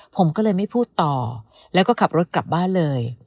ผมก็เลยไม่พูดต่อแล้วก็ขับรถกลับบ้านเลย